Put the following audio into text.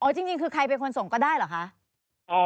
จริงคือใครเป็นคนส่งก็ได้เหรอคะ